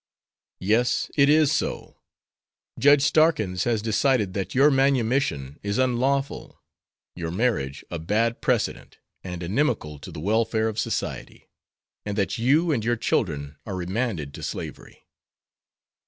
"Yes; it is so. Judge Starkins has decided that your manumission is unlawful; your marriage a bad precedent, and inimical to the welfare of society; and that you and your children are remanded to slavery."